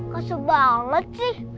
kesel banget sih